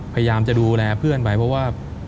พยายามจะดูแลเพื่อนไปเพราะว่า